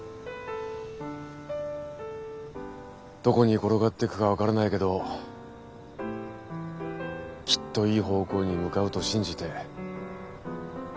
どこに転がっていくか分からないけどきっといい方向に向かうと信じてプレーするしかない。